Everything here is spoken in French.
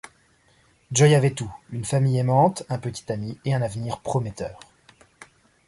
Joy avait tout: une famille aimante, un petit ami et un avenir prometteur.